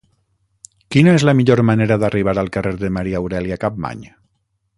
Quina és la millor manera d'arribar al carrer de Maria Aurèlia Capmany?